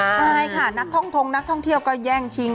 ใช่ค่ะนักท่องทงนักท่องเที่ยวก็แย่งชิง